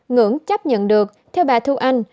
ngưỡng chấp nhận được theo bà thu anh